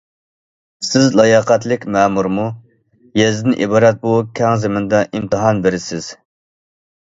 سىز لاياقەتلىك مەمۇرمۇ؟ يېزىدىن ئىبارەت بۇ كەڭ زېمىندا ئىمتىھان بېرىسىز.